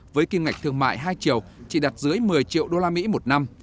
với kim ngạch thương mại hai triệu chỉ đặt dưới một mươi triệu usd một năm